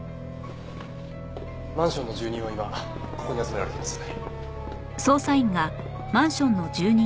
マンションの住人は今ここに集められています。